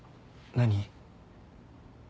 何？